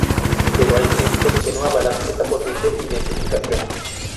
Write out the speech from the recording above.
Pero hay críticos que no avalan esta posible identificación.